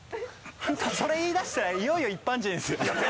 それ言い出したらいよいよ一般人ですよ